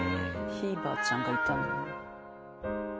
ひいばあちゃんがいたんだね。